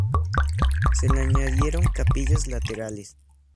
Se le añadieron capillas laterales.